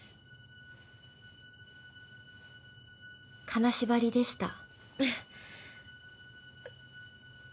［金縛りでした］・・